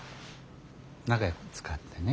仲よく使ってね。